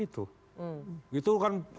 itu itu kan